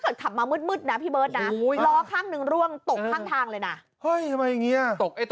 กฎขับมาหมึดนะพี่บีดนะรอข้างหนึ่งร่วงตกข้างทางเลย